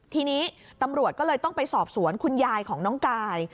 ทีนี้ตำรวจก็เลยต้องไปสอบสวนคุณยายของน้องกาย